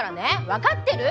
分かってる？